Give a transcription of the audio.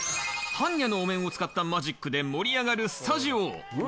般若のお面を使ったマジックで盛り上がるスタジオ。